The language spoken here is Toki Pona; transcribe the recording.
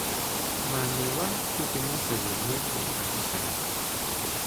ma ni la pipi mute li mu lon tenpo seli.